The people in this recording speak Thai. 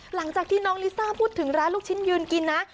หลังจากที่น้องลิซ่าพูดถึงร้านลูกชิ้นยืนกินนะ